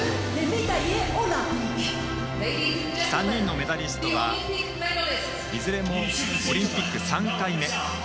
３人のメダリストはいずれもオリンピック３回目。